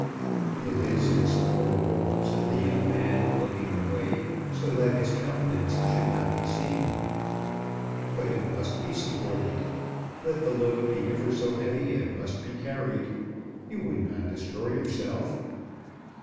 "It is insupportable," said the young man looking away, so that his countenance should not be seen. "But it must be supported. Let the load be ever so heavy, it must be carried. You would not destroy yourself?"